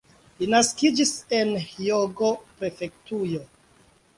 Li naskiĝis en Hjogo-prefektujo.